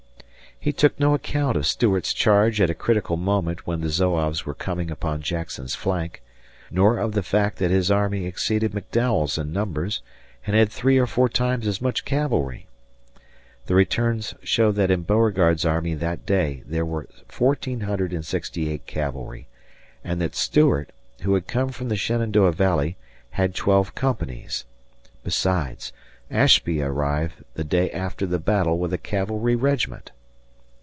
He took no account of Stuart's charge at a critical moment when the Zouaves were coming upon Jackson's flank; nor of the fact that his army exceeded McDowell's in numbers, and had three or four times as much cavalry. The returns show that in Beauregard army that day there were 1468 cavalry, and that Stuart, who had come from the Shenandoah Valley, had twelve companies. Besides, Ashby arrived the day after the battle with a cavalry regiment.